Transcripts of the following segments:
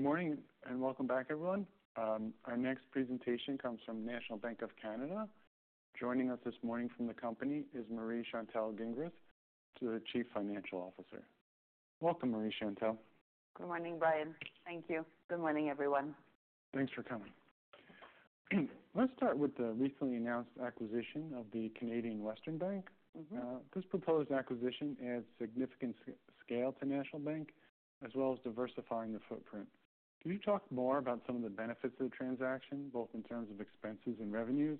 Good morning, and welcome back, everyone. Our next presentation comes from National Bank of Canada. Joining us this morning from the company is Marie-Chantal Gingras, the Chief Financial Officer. Welcome, Marie-Chantal. Good morning, Brian. Thank you. Good morning, everyone. Thanks for coming. Let's start with the recently announced acquisition of the Canadian Western Bank. Mm-hmm. This proposed acquisition adds significant scale to National Bank, as well as diversifying the footprint. Can you talk more about some of the benefits of the transaction, both in terms of expenses and revenues,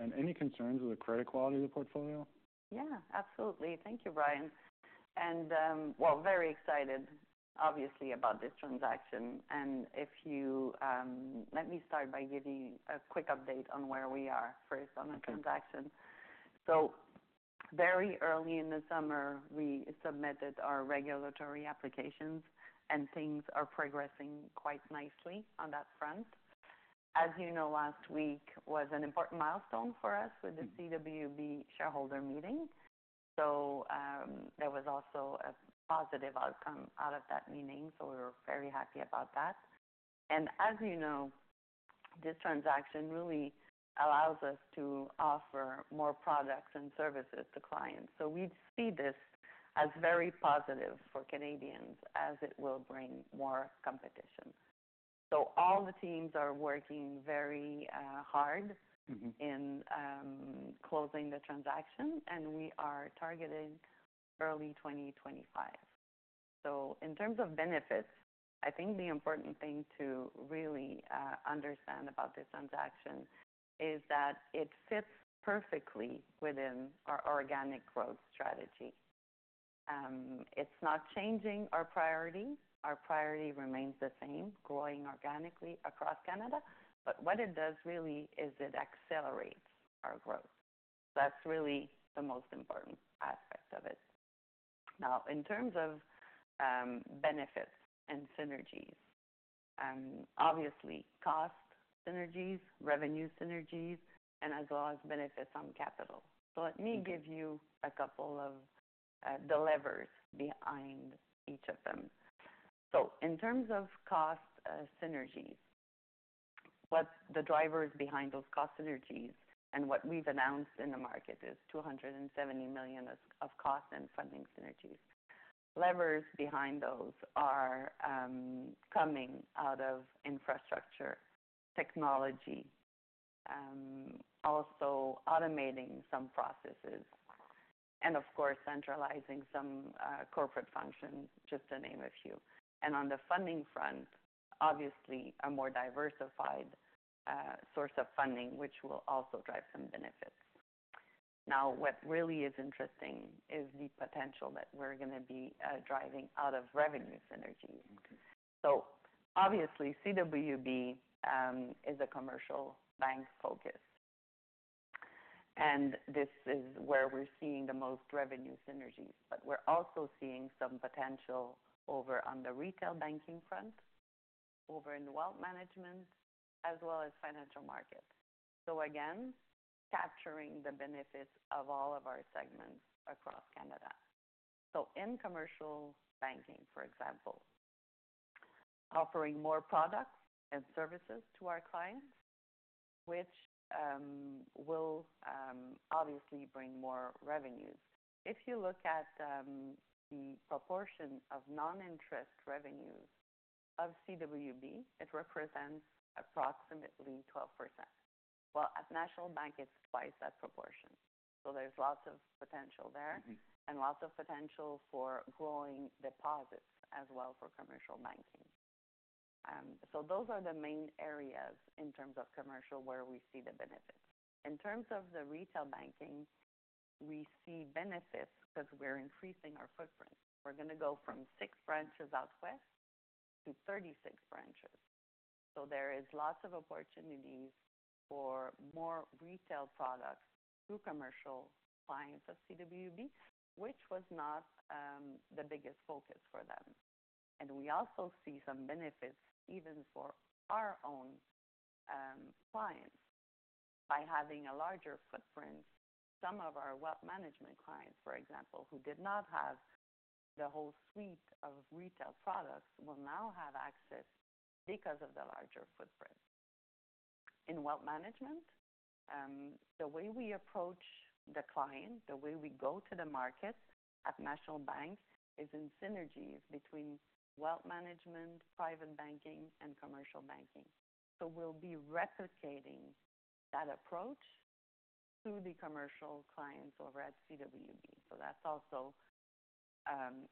and any concerns with the credit quality of the portfolio? Yeah, absolutely. Thank you, Brian. And well, very excited, obviously, about this transaction. And if you... Let me start by giving a quick update on where we are first on the transaction. Okay. So very early in the summer, we submitted our regulatory applications, and things are progressing quite nicely on that front. As you know, last week was an important milestone for us with the CWB shareholder meeting. So, there was also a positive outcome out of that meeting, so we were very happy about that. And as you know, this transaction really allows us to offer more products and services to clients. So we see this as very positive for Canadians, as it will bring more competition. So all the teams are working very hard- Mm-hmm... in closing the transaction, and we are targeting early 2025. So in terms of benefits, I think the important thing to really understand about this transaction is that it fits perfectly within our organic growth strategy. It's not changing our priority. Our priority remains the same: growing organically across Canada. But what it does really is it accelerates our growth. That's really the most important aspect of it. Now, in terms of benefits and synergies, obviously, cost synergies, revenue synergies, and as well as benefits on capital. Mm-hmm. So let me give you a couple of the levers behind each of them. In terms of cost synergies, what the drivers behind those cost synergies and what we've announced in the market is 270 million of cost and funding synergies. Levers behind those are coming out of infrastructure, technology, also automating some processes, and of course, centralizing some corporate functions, just to name a few. And on the funding front, obviously, a more diversified source of funding, which will also drive some benefits. Now, what really is interesting is the potential that we're going to be driving out of revenue synergy. Mm-hmm. So obviously, CWB, is a commercial bank focus, and this is where we're seeing the most revenue synergies, but we're also seeing some potential over on the retail banking front, over in the wealth management, as well as financial markets. So again, capturing the benefits of all of our segments across Canada. So in commercial banking, for example, offering more products and services to our clients, which will obviously bring more revenues. If you look at the proportion of non-interest revenues of CWB, it represents approximately 12%. Well, at National Bank, it's twice that proportion, so there's lots of potential there- Mm-hmm... and lots of potential for growing deposits as well for commercial banking. So those are the main areas in terms of commercial, where we see the benefits. In terms of the retail banking, we see benefits because we're increasing our footprint. We're going to go from six branches out west to thirty-six branches. So there is lots of opportunities for more retail products through commercial clients of CWB, which was not the biggest focus for them. And we also see some benefits even for our own clients. By having a larger footprint, some of our wealth management clients, for example, who did not have the whole suite of retail products, will now have access because of the larger footprint. In wealth management, the way we approach the client, the way we go to the market at National Bank, is in synergies between wealth management, private banking, and commercial banking. So we'll be replicating that approach to the commercial clients over at CWB. So that's also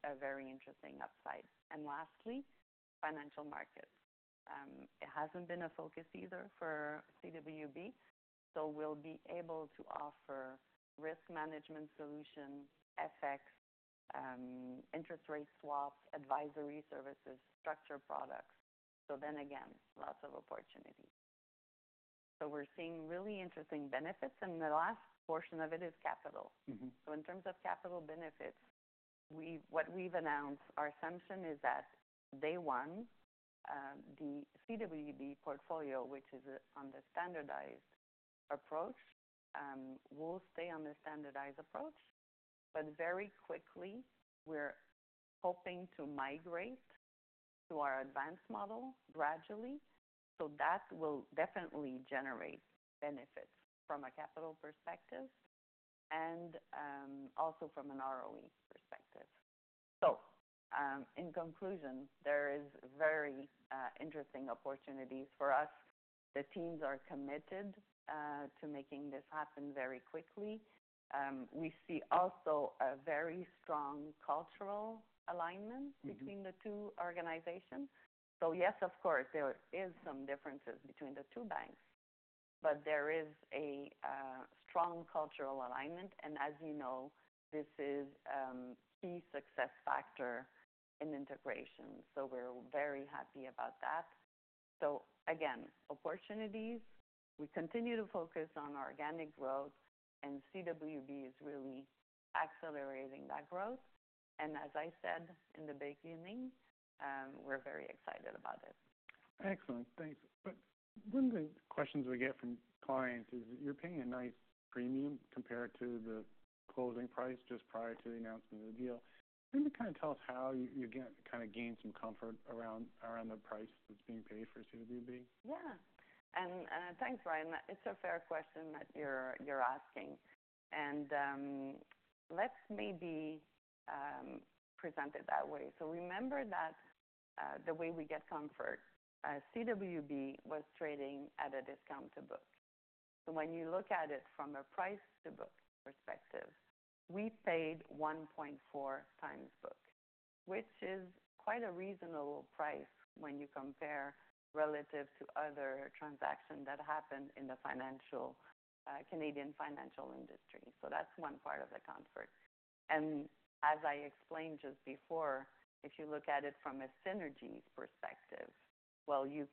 a very interesting upside. And lastly, financial markets. It hasn't been a focus either for CWB, so we'll be able to offer risk management solutions, FX, interest rate swaps, advisory services, structured products. So then again, lots of opportunities. So we're seeing really interesting benefits, and the last portion of it is capital. Mm-hmm. So in terms of capital benefits, what we've announced, our assumption is that day one, the CWB portfolio, which is on the standardized approach, will stay on the standardized approach, but very quickly, we're hoping to migrate to our advanced model gradually. So that will definitely generate benefits from a capital perspective and also from an ROE perspective. So in conclusion, there is very interesting opportunities for us. The teams are committed to making this happen very quickly. We see also a very strong cultural alignment- Mm-hmm. - between the two organizations. So yes, of course, there is some differences between the two banks, but there is a strong cultural alignment, and as you know, this is key success factor in integration, so we're very happy about that. So again, opportunities, we continue to focus on organic growth, and CWB is really accelerating that growth. And as I said in the beginning, we're very excited about it. Excellent. Thanks. But one of the questions we get from clients is, you're paying a nice premium compared to the closing price just prior to the announcement of the deal. Can you kind of tell us how you gain kind of some comfort around the price that's being paid for CWB? Yeah, and thanks, Brian. It's a fair question that you're asking, and, let's maybe present it that way. So remember that, the way we get comfort, CWB was trading at a discount to book. So when you look at it from a price-to-book perspective, we paid 1.4x book, which is quite a reasonable price when you compare relative to other transactions that happened in the financial, Canadian financial industry. So that's one part of the comfort. And as I explained just before, if you look at it from a synergy perspective, well, you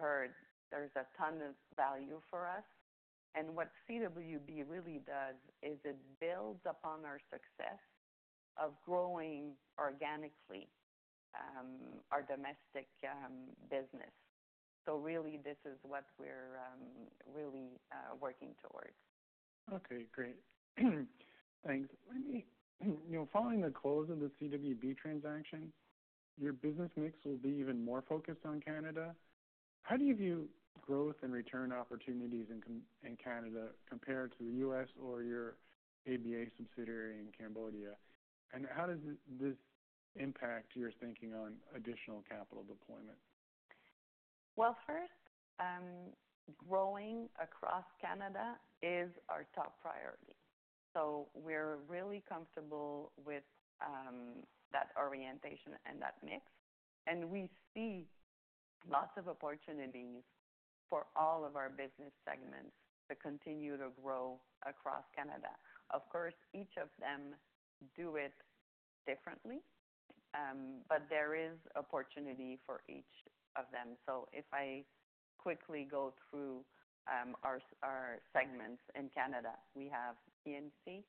heard there's a ton of value for us. And what CWB really does is it builds upon our success of growing organically, our domestic, business. So really, this is what we're, really, working towards. Okay, great. Thanks. Let me... You know, following the close of the CWB transaction, your business mix will be even more focused on Canada. How do you view growth and return opportunities in Canada compared to the U.S. or your ABA subsidiary in Cambodia? And how does this impact your thinking on additional capital deployment? Well, first, growing across Canada is our top priority, so we're really comfortable with that orientation and that mix, and we see lots of opportunities for all of our business segments to continue to grow across Canada. Of course, each of them do it differently, but there is opportunity for each of them. So if I quickly go through our segments in Canada, we have P&C,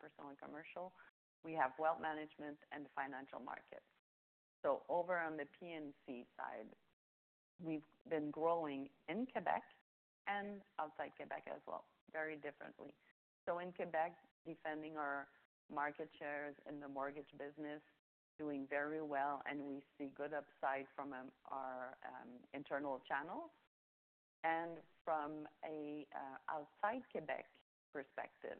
Personal and Commercial, we have Wealth Management and Financial Markets. So over on the P&C side, we've been growing in Quebec and outside Quebec as well, very differently. So in Quebec, defending our market shares in the mortgage business, doing very well, and we see good upside from our internal channels. And from a outside Quebec perspective,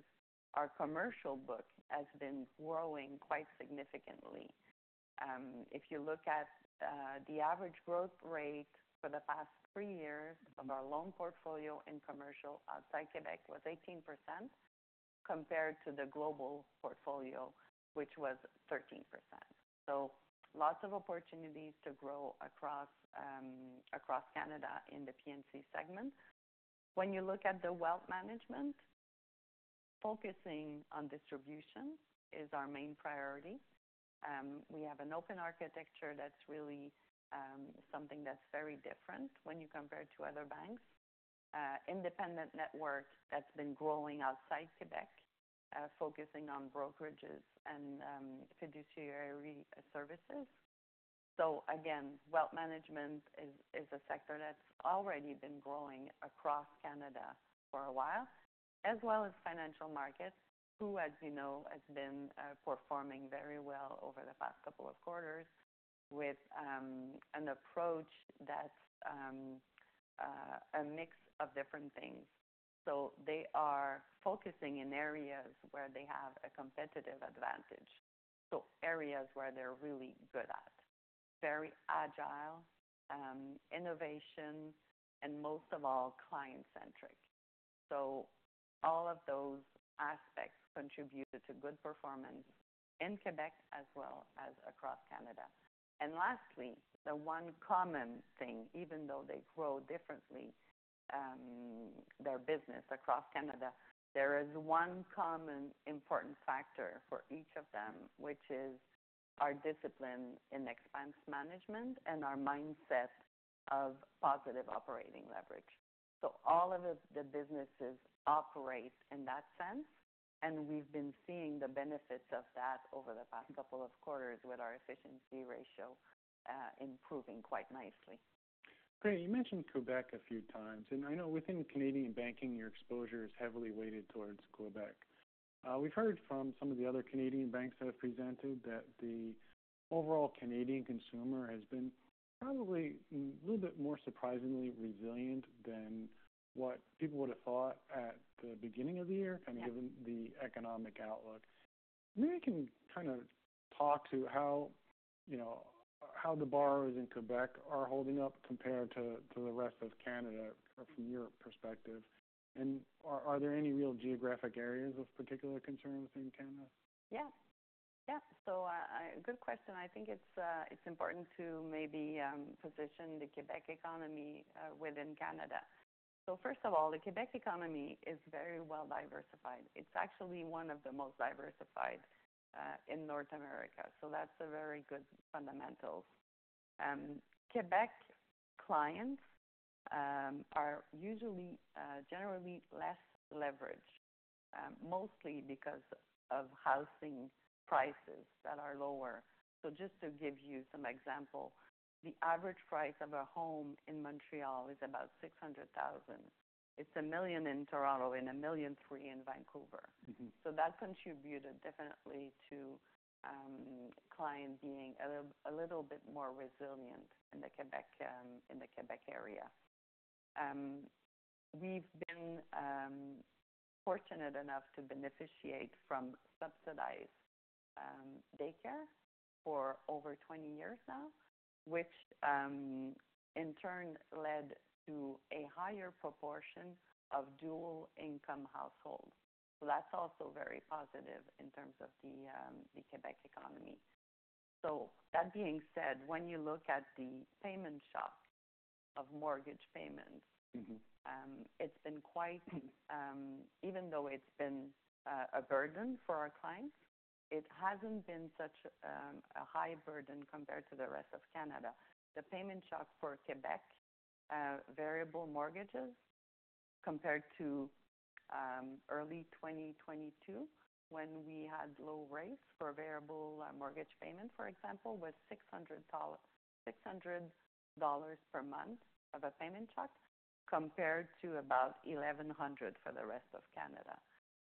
our commercial book has been growing quite significantly. If you look at the average growth rate for the past three years of our loan portfolio in commercial, outside Quebec was 18%, compared to the global portfolio, which was 13%, so lots of opportunities to grow across Canada in the P&C segment. When you look at the wealth management, focusing on distribution is our main priority. We have an open architecture that's really something that's very different when you compare to other banks. Independent network that's been growing outside Quebec, focusing on brokerages and fiduciary services, so again, wealth management is a sector that's already been growing across Canada for a while, as well as financial markets, who, as you know, has been performing very well over the past couple of quarters with an approach that's a mix of different things. So they are focusing in areas where they have a competitive advantage, so areas where they're really good at. Very agile, innovation, and most of all, client-centric. So all of those aspects contributed to good performance in Quebec as well as across Canada. And lastly, the one common thing, even though they grow differently, their business across Canada, there is one common important factor for each of them, which is our discipline in expense management and our mindset of positive operating leverage. So all of the businesses operate in that sense, and we've been seeing the benefits of that over the past couple of quarters with our efficiency ratio improving quite nicely. ... Great. You mentioned Quebec a few times, and I know within Canadian banking, your exposure is heavily weighted towards Quebec. We've heard from some of the other Canadian banks that have presented, that the overall Canadian consumer has been probably, a little bit more surprisingly resilient than what people would have thought at the beginning of the year- Yeah. Kind of given the economic outlook. Maybe you can kind of talk to how, you know, how the borrowers in Quebec are holding up compared to the rest of Canada from your perspective. And are there any real geographic areas of particular concern within Canada? Yeah. Yeah. So, good question. I think it's important to maybe position the Quebec economy within Canada. So first of all, the Quebec economy is very well diversified. It's actually one of the most diversified in North America, so that's a very good fundamental. Quebec clients are usually generally less leveraged, mostly because of housing prices that are lower. So just to give you some example, the average price of a home in Montreal is about 600,000. It's 1 million in Toronto and 1.3 million in Vancouver. Mm-hmm. So that contributed definitely to clients being a little bit more resilient in the Quebec area. We've been fortunate enough to benefit from subsidized daycare for over 20 years now, which in turn led to a higher proportion of dual income households. So that's also very positive in terms of the Quebec economy. So that being said, when you look at the payment shock of mortgage payments- Mm-hmm. It's been quite even though it's been a burden for our clients, it hasn't been such a high burden compared to the rest of Canada. The payment shock for Quebec variable mortgages compared to early 2022, when we had low rates for variable mortgage payments, for example, was 600 dollars per month of a payment shock, compared to about 1,100 for the rest of Canada.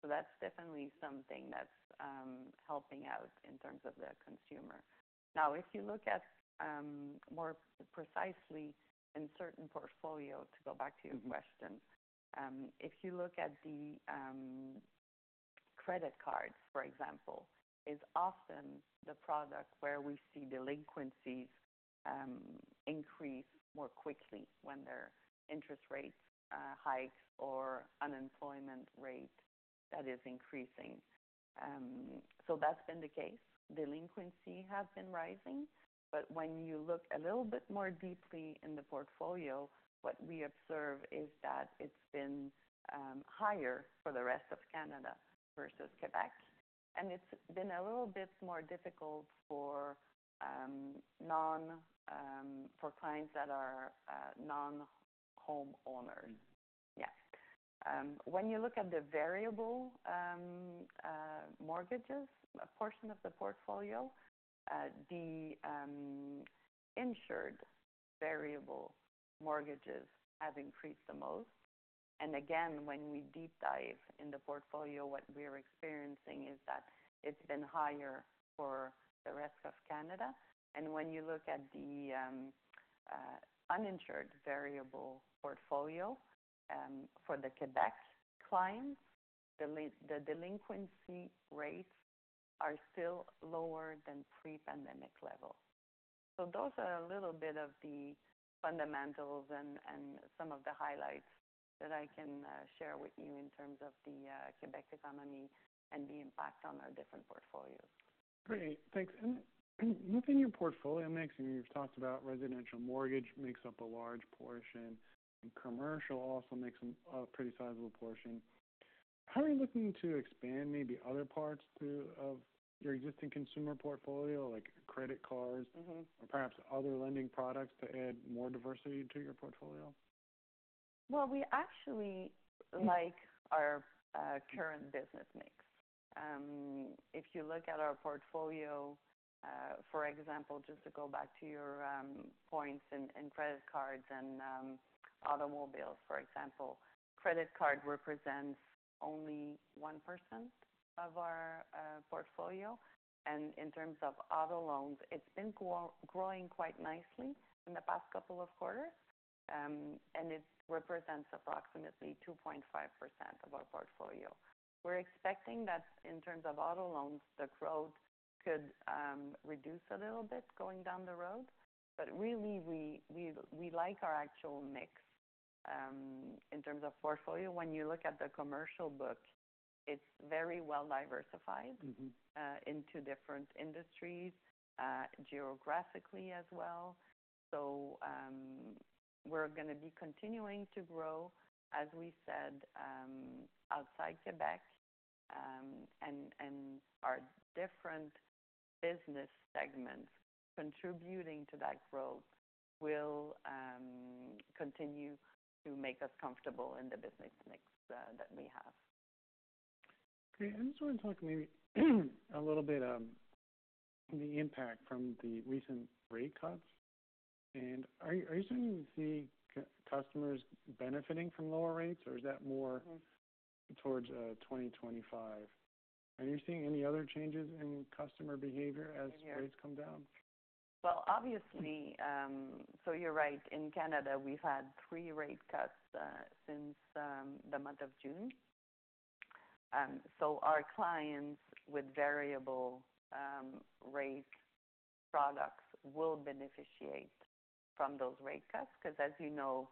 So that's definitely something that's helping out in terms of the consumer. Now, if you look at more precisely in certain portfolio, to go back to your question. Mm-hmm. If you look at the credit card, for example, is often the product where we see delinquencies increase more quickly when their interest rates hike or unemployment rate that is increasing. So that's been the case. Delinquency has been rising, but when you look a little bit more deeply in the portfolio, what we observe is that it's been higher for the rest of Canada versus Quebec, and it's been a little bit more difficult for clients that are non-homeowners. Mm-hmm. Yeah. When you look at the variable mortgages, a portion of the portfolio, the insured variable mortgages have increased the most. And again, when we deep dive in the portfolio, what we are experiencing is that it's been higher for the rest of Canada. And when you look at the uninsured variable portfolio for the Quebec clients, the delinquency rates are still lower than pre-pandemic levels. So those are a little bit of the fundamentals and some of the highlights that I can share with you in terms of the Quebec economy and the impact on our different portfolios. Great, thanks. And looking your portfolio mix, and you've talked about residential mortgage makes up a large portion, and commercial also makes a pretty sizable portion. How are you looking to expand maybe other parts to of your existing consumer portfolio, like credit cards? Mm-hmm. Or perhaps other lending products to add more diversity to your portfolio? Well, we actually like our current business mix. If you look at our portfolio, for example, just to go back to your points in credit cards and automobiles, for example, credit card represents only 1% of our portfolio. And in terms of auto loans, it's been growing quite nicely in the past couple of quarters, and it represents approximately 2.5% of our portfolio. We're expecting that in terms of auto loans, the growth could reduce a little bit going down the road. But really, we like our actual mix. In terms of portfolio, when you look at the commercial book, it's very well diversified- Mm-hmm Into different industries, geographically as well. So, we're going to be continuing to grow, as we said, outside Quebec, and our different business segments contributing to that growth will continue to make us comfortable in the business mix that we have.... Okay, I just want to talk maybe a little bit, the impact from the recent rate cuts. And are you starting to see customers benefiting from lower rates, or is that more- Mm-hmm. -towards 2025? Are you seeing any other changes in customer behavior as rates come down? Well, obviously, so you're right. In Canada, we've had three rate cuts since the month of June. So our clients with variable rate products will benefit from those rate cuts. Because, as you know,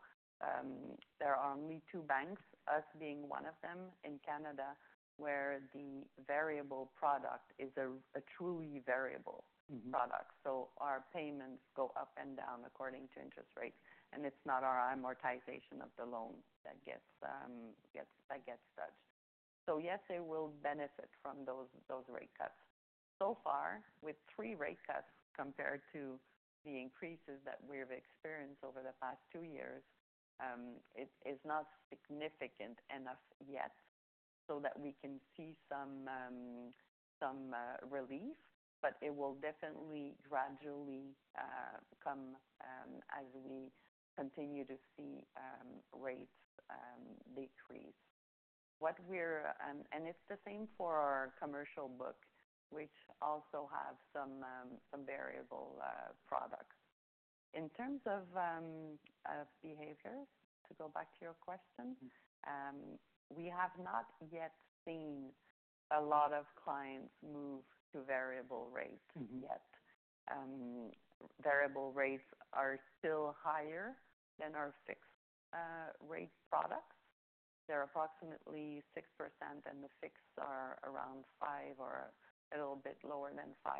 there are only two banks, us being one of them, in Canada, where the variable product is a truly variable- Mm-hmm. -product. So our payments go up and down according to interest rates, and it's not our amortization of the loan that gets touched. So yes, they will benefit from those rate cuts. So far, with three rate cuts compared to the increases that we've experienced over the past two years, it is not significant enough yet so that we can see some relief, but it will definitely gradually come as we continue to see rates decrease. And it's the same for our commercial book, which also have some variable products. In terms of behaviors, to go back to your question- Mm-hmm. We have not yet seen a lot of clients move to variable rates yet. Mm-hmm. Variable rates are still higher than our fixed rate products. They're approximately 6%, and the fixed are around 5% or a little bit lower than 5%.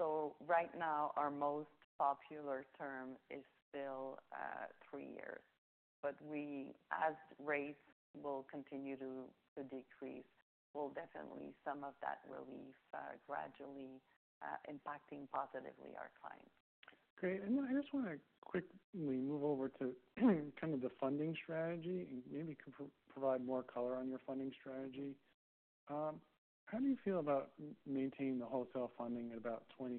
So right now, our most popular term is still three years. But we, as rates will continue to decrease, we'll definitely some of that relief gradually impacting positively our clients. Great. And then I just want to quickly move over to, kind of the funding strategy and maybe provide more color on your funding strategy. How do you feel about maintaining the wholesale funding at about 26%?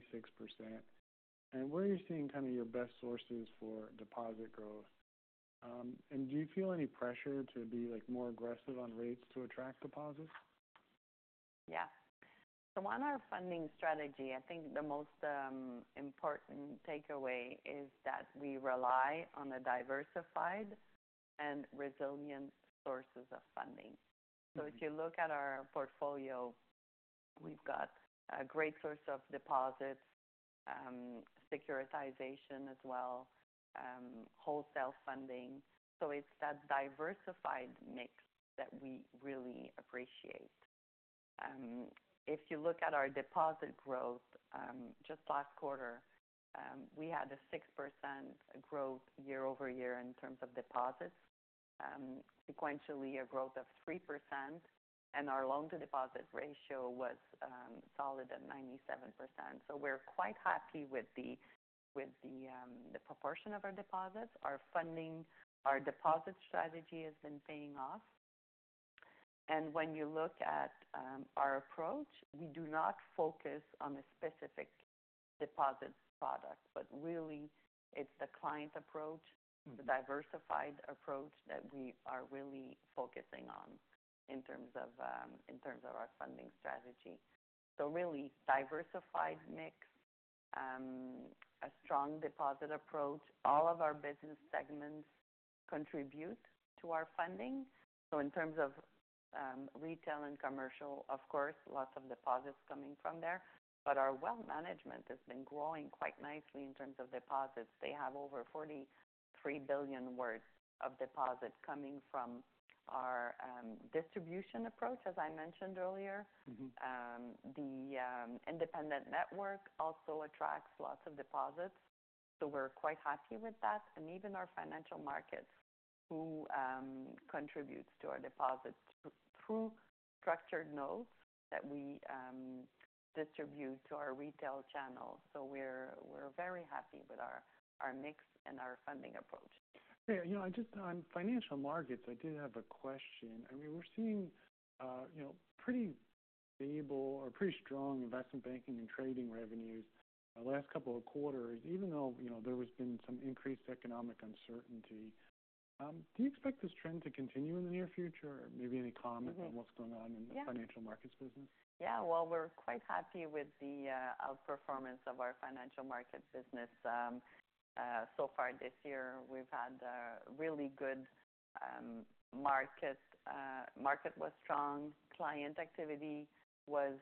And where are you seeing kind of your best sources for deposit growth? And do you feel any pressure to be, like, more aggressive on rates to attract deposits? Yeah. On our funding strategy, I think the most important takeaway is that we rely on the diversified and resilient sources of funding. Mm-hmm. So if you look at our portfolio, we've got a great source of deposits, securitization as well, wholesale funding. So it's that diversified mix that we really appreciate. If you look at our deposit growth, just last quarter, we had a 6% growth year over year in terms of deposits. Sequentially, a growth of 3%, and our loan-to-deposit ratio was solid at 97%. So we're quite happy with the proportion of our deposits. Our funding, our deposit strategy has been paying off. And when you look at our approach, we do not focus on a specific deposit product, but really it's the client approach- Mm-hmm. the diversified approach that we are really focusing on in terms of our funding strategy. So really diversified mix, a strong deposit approach. All of our business segments contribute to our funding. So in terms of retail and commercial, of course, lots of deposits coming from there. But our wealth management has been growing quite nicely in terms of deposits. They have over 43 billion worth of deposits coming from our distribution approach, as I mentioned earlier. Mm-hmm. The independent network also attracts lots of deposits, so we're quite happy with that, and even our Financial Markets, who contributes to our deposits through structured notes that we distribute to our retail channel, so we're very happy with our mix and our funding approach. Yeah, you know, I just... On Financial Markets, I did have a question. I mean, we're seeing, you know, pretty stable or pretty strong investment banking and trading revenues the last couple of quarters, even though, you know, there has been some increased economic uncertainty. Do you expect this trend to continue in the near future? Or maybe any comment- Mm-hmm. On what's going on in the Yeah. Financial markets business? Yeah, well, we're quite happy with the outperformance of our Financial Markets business. So far this year, we've had a really good market. Market was strong, client activity was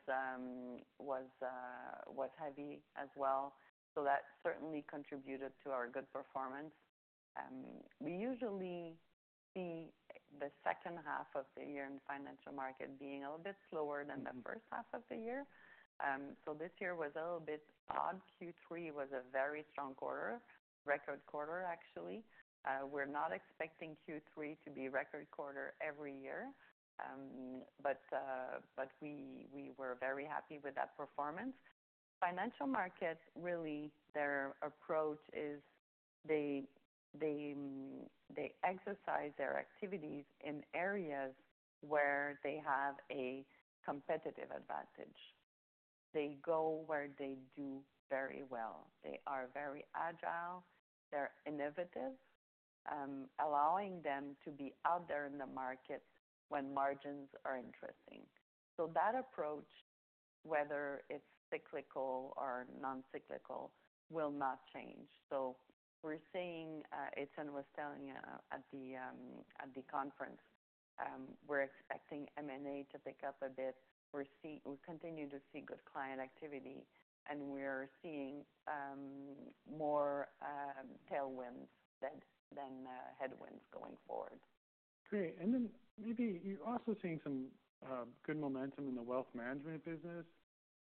heavy as well, so that certainly contributed to our good performance. We usually see the second half of the year in Financial Markets being a little bit slower- Mm-hmm. -than the first half of the year. So this year was a little bit odd. Q3 was a very strong quarter, record quarter, actually. We're not expecting Q3 to be record quarter every year. But we were very happy with that performance. Financial Markets, really, their approach is they exercise their activities in areas where they have a competitive advantage. They go where they do very well. They are very agile, they're innovative, allowing them to be out there in the market when margins are interesting. So that approach, whether it's cyclical or non-cyclical, will not change. So we're seeing, Étienne was telling you at the conference, we're expecting M&A to pick up a bit. We continue to see good client activity, and we're seeing more tailwinds than headwinds going forward. Great. And then maybe you're also seeing some good momentum in the wealth management business.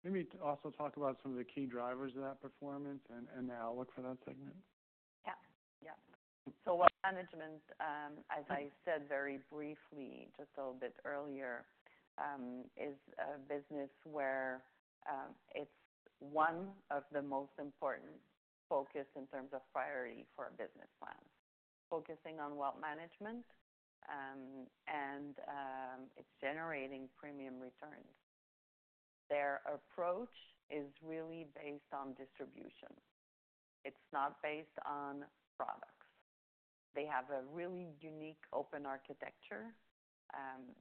Maybe also talk about some of the key drivers of that performance and the outlook for that segment. Yeah. Yeah. So wealth management, as I said very briefly, just a little bit earlier, is a business where it's one of the most important focus in terms of priority for our business plan. Focusing on wealth management, and it's generating premium returns. Their approach is really based on distribution. It's not based on products. They have a really unique open architecture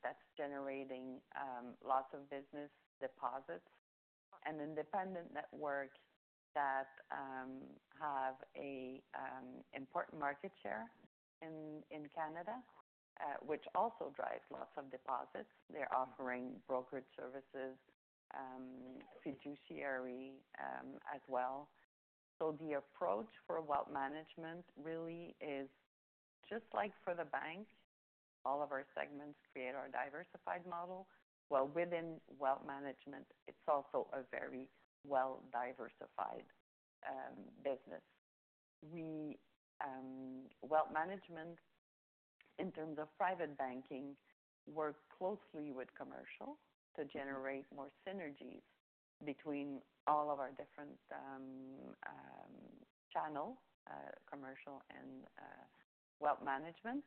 that's generating lots of business deposits, an independent network that have a important market share in Canada, which also drives lots of deposits. They're offering brokerage services, fiduciary, as well. So the approach for wealth management really is just like for the bank, all of our segments create our diversified model. Well, within wealth management, it's also a very well-diversified business. Wealth Management, in terms of private banking, work closely with Commercial to generate more synergies between all of our different channels, Commercial and Wealth Management.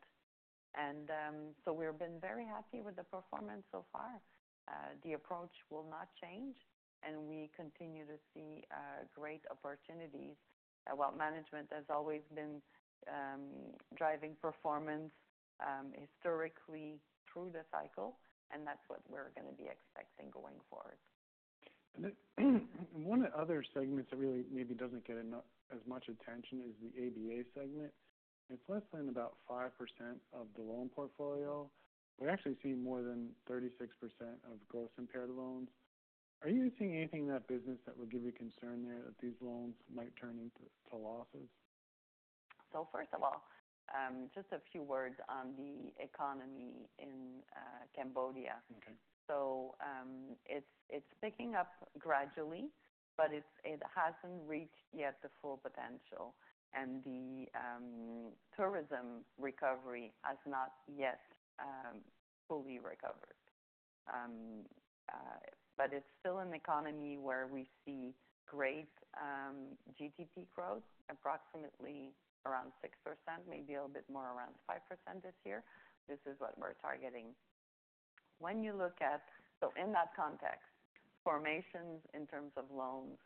So we've been very happy with the performance so far. The approach will not change, and we continue to see great opportunities. Wealth Management has always been driving performance historically through the cycle, and that's what we're going to be expecting going forward. One of the other segments that really maybe doesn't get enough as much attention is the ABA segment. It's less than about 5% of the loan portfolio. We're actually seeing more than 36% of gross impaired loans. Are you seeing anything in that business that would give you concern there, that these loans might turn into to losses? So first of all, just a few words on the economy in Cambodia. Okay. It's picking up gradually, but it hasn't reached yet the full potential, and the tourism recovery has not yet fully recovered, but it's still an economy where we see great GDP growth, approximately around 6%, maybe a little bit more, around 5% this year. This is what we're targeting. In that context, formations in terms of loans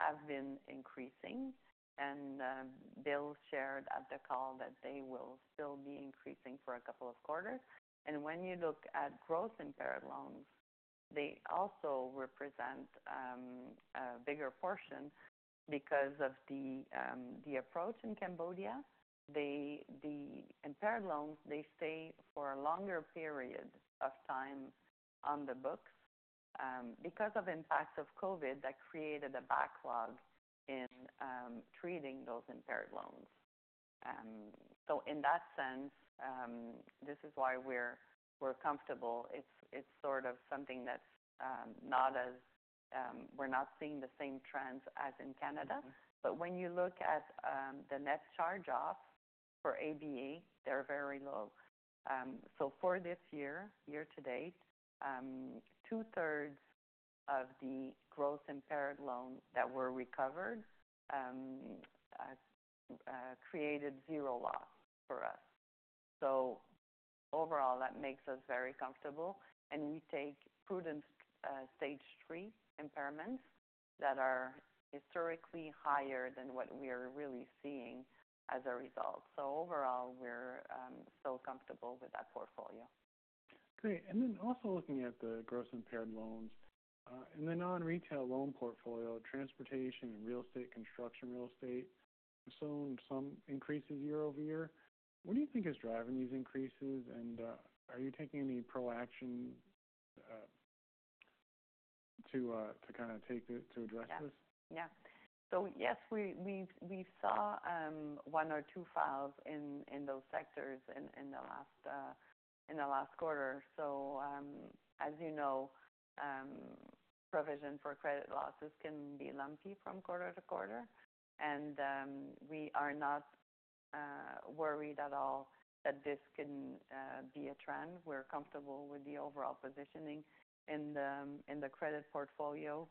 have been increasing, and Bill shared at the call that they will still be increasing for a couple of quarters. Gross-impaired loans also represent a bigger portion because of the approach in Cambodia. The impaired loans stay for a longer period of time on the books because of impacts of COVID that created a backlog in treating those impaired loans. So in that sense, this is why we're comfortable. It's sort of something that's not as we're not seeing the same trends as in Canada. Mm-hmm. But when you look at the net charge-off for ABA, they're very low. So for this year, year to date, 2/3 of the gross-impaired loans that were recovered created zero loss for us. So overall, that makes us very comfortable, and we take prudent stage 3 impairments that are historically higher than what we are really seeing as a result. So overall, we're still comfortable with that portfolio. Great. And then also looking at the gross impaired loans in the non-retail loan portfolio, transportation and real estate, construction real estate, have shown some increases year over year. What do you think is driving these increases, and are you taking any proactive action to kind of take it to address this? Yeah. So yes, we saw one or two files in those sectors in the last quarter. As you know, provision for credit losses can be lumpy from quarter to quarter, and we are not worried at all that this can be a trend. We're comfortable with the overall positioning in the credit portfolio,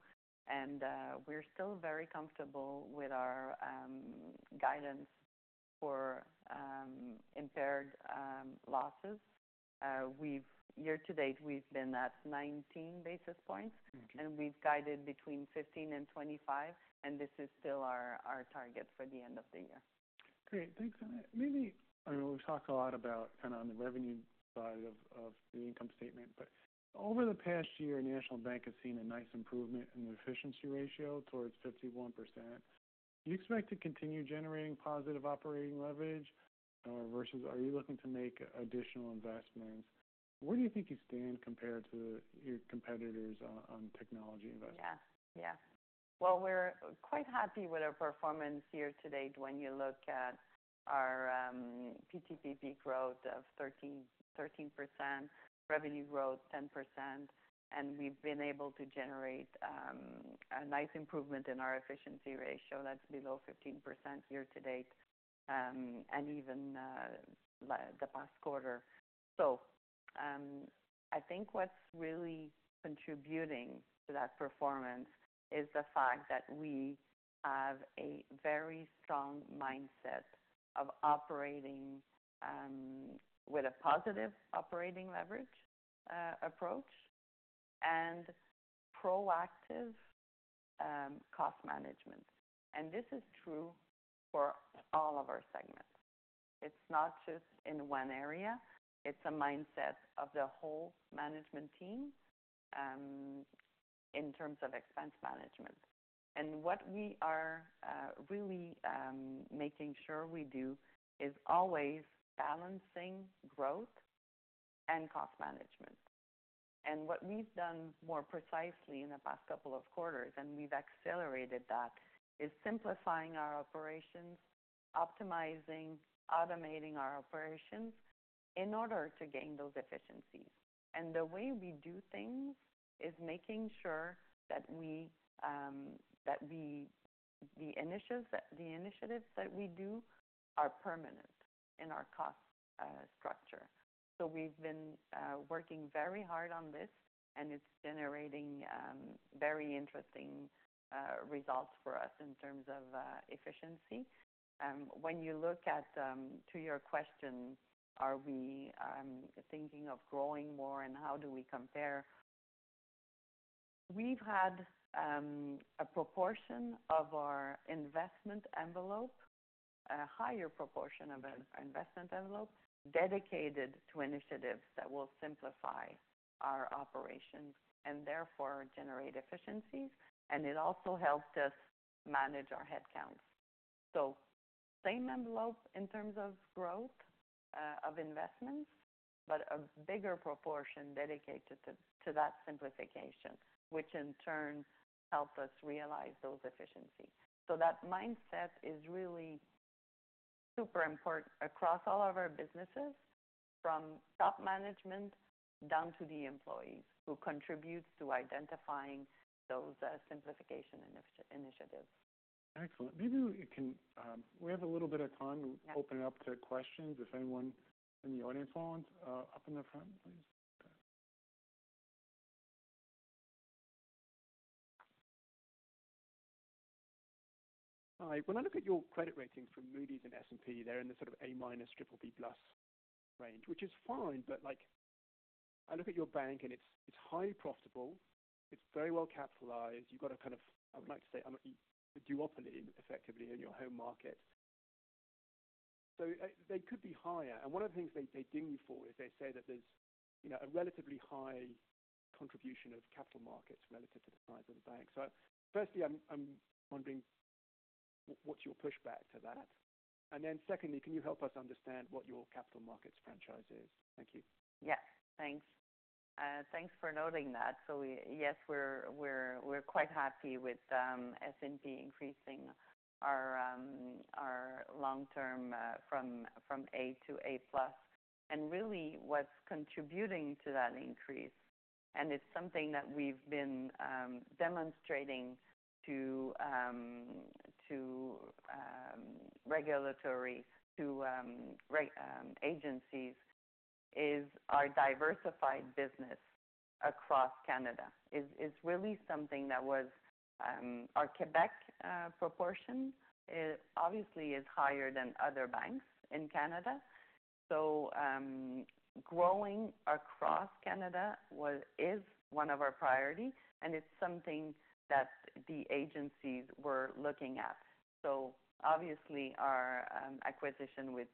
and we're still very comfortable with our guidance for impaired losses. Year to date, we've been at 19 basis points. Okay. And we've guided between 15 and 25, and this is still our target for the end of the year. Great, thanks. Maybe, I know we've talked a lot about kind of on the revenue side of the income statement, but over the past year, National Bank has seen a nice improvement in the efficiency ratio towards 51%. Do you expect to continue generating positive operating leverage versus are you looking to make additional investments? Where do you think you stand compared to your competitors on technology investments? Yeah. Yeah. Well, we're quite happy with our performance year to date when you look at our PTPP growth of 13%, revenue growth 10%, and we've been able to generate a nice improvement in our efficiency ratio. That's below 15% year to date, and even the past quarter. So, I think what's really contributing to that performance is the fact that we have a very strong mindset of operating with a positive operating leverage approach, and proactive cost management. This is true for all of our segments. It's not just in one area. It's a mindset of the whole management team in terms of expense management. What we are really making sure we do is always balancing growth and cost management. And what we've done more precisely in the past couple of quarters, and we've accelerated that, is simplifying our operations, optimizing, automating our operations in order to gain those efficiencies. And the way we do things is making sure that the initiatives that we do are permanent in our cost structure. So we've been working very hard on this, and it's generating very interesting results for us in terms of efficiency. When you look at to your question, are we thinking of growing more, and how do we compare? We've had a proportion of our investment envelope, a higher proportion of our investment envelope, dedicated to initiatives that will simplify our operations and therefore generate efficiencies, and it also helps us manage our headcount. So same envelope in terms of growth of investments, but a bigger proportion dedicated to that simplification, which in turn help us realize those efficiencies. So that mindset is really super important across all of our businesses, from top management down to the employees, who contributes to identifying those simplification initiatives. Excellent. Maybe we can... We have a little bit of time- Yeah. Open it up to questions, if anyone in the audience wants. Up in the front, please. Hi. When I look at your credit ratings from Moody's and S&P, they're in the sort of A-, triple B+ range, which is fine, but like, I look at your bank and it's highly profitable, it's very well capitalized. You've got a kind of, I would like to say, a duopoly, effectively in your home market. So they could be higher. And one of the things they ding you for is they say that there's, you know, a relatively high contribution of capital markets relative to the size of the bank. So firstly, I'm wondering, what's your pushback to that? And then secondly, can you help us understand what your capital markets franchise is? Thank you. Yeah, thanks. Thanks for noting that. So yes, we're quite happy with S&P increasing our long-term from A to A+. And really, what's contributing to that increase, and it's something that we've been demonstrating to regulatory agencies, is our diversified business across Canada. Is really something that was. Our Quebec proportion is obviously higher than other banks in Canada. So growing across Canada is one of our priority, and it's something that the agencies were looking at. So obviously, our acquisition with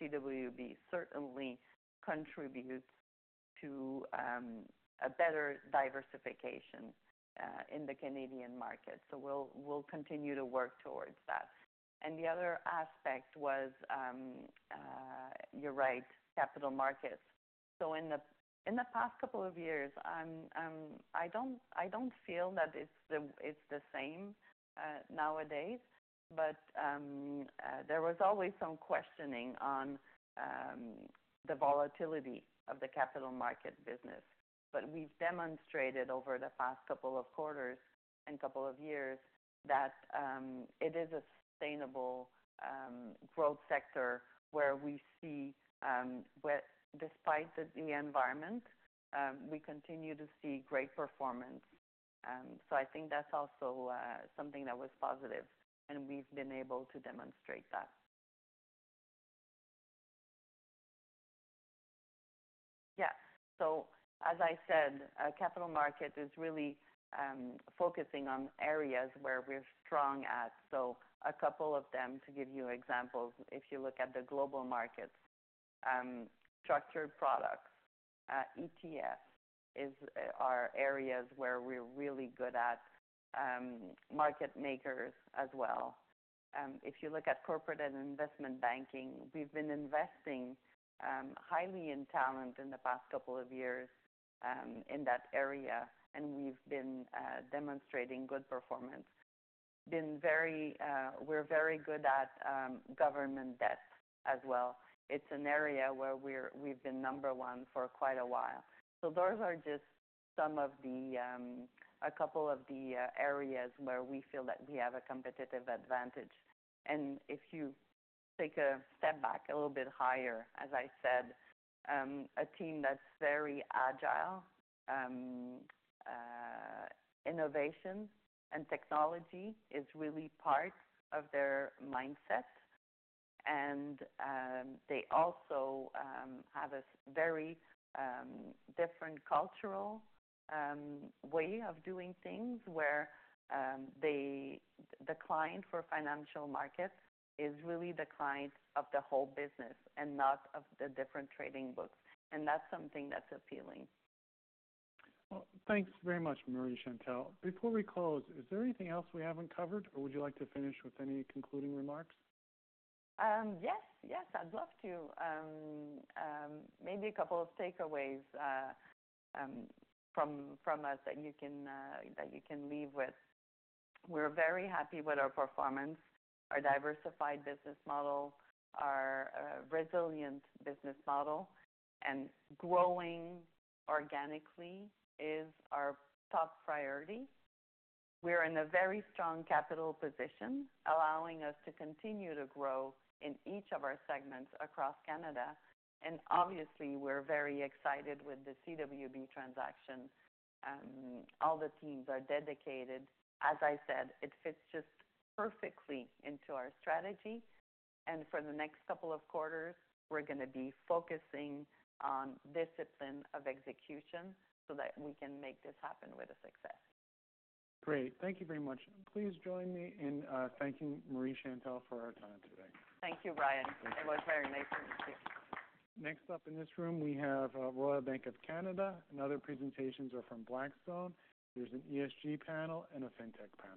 CWB certainly contributes to a better diversification in the Canadian market. So we'll continue to work towards that. And the other aspect was, you're right, capital markets. So in the past couple of years, I don't feel that it's the same nowadays, but there was always some questioning on the volatility of the capital markets business. But we've demonstrated over the past couple of quarters and couple of years, that it is a sustainable growth sector where we see, despite the environment, we continue to see great performance. So I think that's also something that was positive, and we've been able to demonstrate that. Yes. So as I said, our capital markets is really focusing on areas where we're strong at. So a couple of them, to give you examples, if you look at the global markets, structured products, ETFs, are areas where we're really good at, market makers as well. If you look at corporate and investment banking, we've been investing highly in talent in the past couple of years in that area, and we've been demonstrating good performance. We're very good at government debt as well. It's an area where we've been number one for quite a while. So those are just some of the, a couple of the, areas where we feel that we have a competitive advantage. And if you take a step back, a little bit higher, as I said, a team that's very agile, innovation and technology is really part of their mindset, and they also have a very different cultural way of doing things where the client for Financial Markets is really the client of the whole business and not of the different trading books, and that's something that's appealing. Thanks very much, Marie-Chantal. Before we close, is there anything else we haven't covered, or would you like to finish with any concluding remarks? Yes, yes, I'd love to. Maybe a couple of takeaways from us that you can leave with. We're very happy with our performance, our diversified business model, our resilient business model, and growing organically is our top priority. We're in a very strong capital position, allowing us to continue to grow in each of our segments across Canada, and obviously, we're very excited with the CWB transaction. All the teams are dedicated. As I said, it fits just perfectly into our strategy, and for the next couple of quarters, we're gonna be focusing on discipline of execution so that we can make this happen with a success. Great. Thank you very much. Please join me in thanking Marie-Chantal for her time today. Thank you, Brian. It was very nice to meet you. Next up in this room, we have Royal Bank of Canada, and other presentations are from Blackstone. There's an ESG panel and a Fintech panel.